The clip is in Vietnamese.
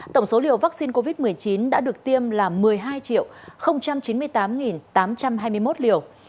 tổng số liều vaccine covid một mươi chín đã được tiêm là một mươi hai chín mươi tám tám trăm hai mươi một liều